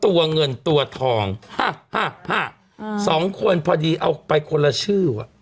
ตัวเงินตัวทองสองคนพอดีเอาไปคนละชื่อว่ะ